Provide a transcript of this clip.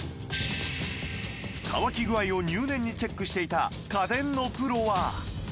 乾き具合を入念にチェックしていた家電のプロは